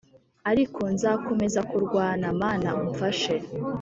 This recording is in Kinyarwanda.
ariko nzakomeza kurwana; mana umfashe.